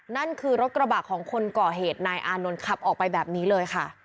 นั่นคือรถกระบะของคนก่อเหตุนายอานนท์ขับออกไปแบบนี้เลยค่ะ